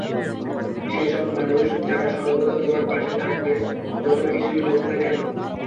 সেসব মানুষ যারা সর্বদা তোমার পাশে থাকবে, যত কিছুই হোক না কেন।